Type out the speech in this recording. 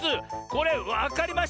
これわかりましたよ。